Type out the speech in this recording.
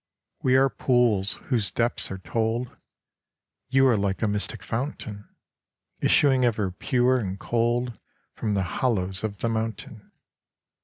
We are pools whose depths are told ; You are like a mystic fountain, Issuing ever pure and cold From the hollows of the mountain.